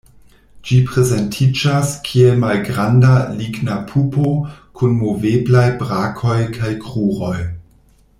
Ĝi prezentiĝas kiel malgranda ligna pupo kun moveblaj brakoj kaj kruroj.